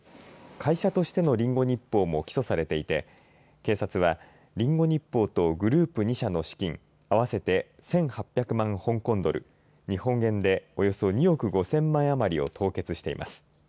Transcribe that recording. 会社としてのリンゴ日報も起訴されていて警察はリンゴ日報とグループ２社の資金合わせて１８００万香港ドル日本円でおよそ２億５０００万円余りを凍結しています。